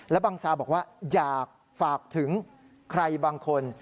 แล้วบังซาบอกว่าอยากฝากถึงใครบางคน